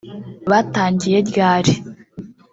Batangiye ryali